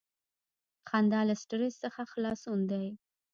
• خندا له سټریس څخه خلاصون دی.